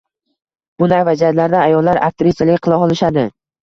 Bunday vaziyatlarda ayollar aktrisalik qila olishadi